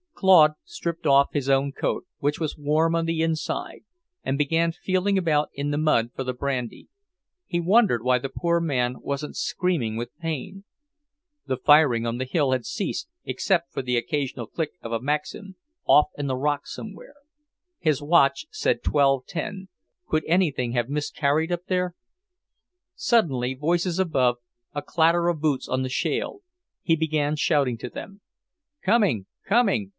Claude stripped off his own coat, which was warm on the inside, and began feeling about in the mud for the brandy. He wondered why the poor man wasn't screaming with pain. The firing on the hill had ceased, except for the occasional click of a Maxim, off in the rocks somewhere. His watch said 12:10; could anything have miscarried up there? Suddenly, voices above, a clatter of boots on the shale. He began shouting to them. "Coming, coming!"